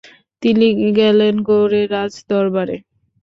তিনি গেলেন গৌড়ের রাজ দরবারে।